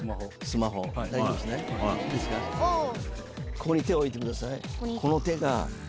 ここに手を置いてください。